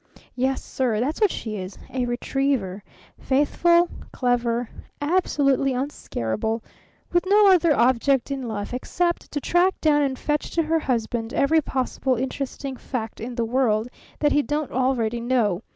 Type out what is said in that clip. Yes, sir, that's what she is a retriever; faithful, clever, absolutely unscarable, with no other object in life except to track down and fetch to her husband every possible interesting fact in the world that he don't already know.